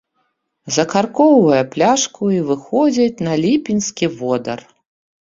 Закаркоўвае пляшку й выходзіць на ліпеньскі водар.